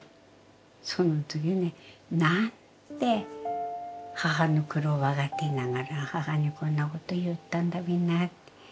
その時ねなんて母の苦労を分かっていながら母にこんなこと言ったんだべなって。